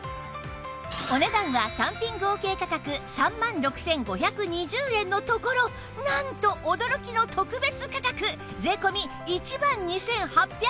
お値段は単品合計価格３万６５２０円のところなんと驚きの特別価格税込１万２８００円